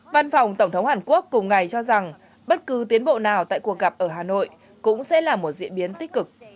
văn phòng tổng thống hàn quốc cùng ngày cho rằng bất cứ tiến bộ nào tại cuộc gặp ở hà nội cũng sẽ là một diễn biến tích cực